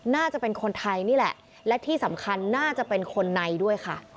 น่าจะเป็นคนไทยนี่แหละและที่สำคัญน่าจะเป็นคนในด้วยค่ะ